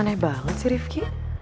aneh banget sih rifki